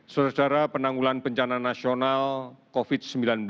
saudara saudara penanggulan bencana nasional covid sembilan belas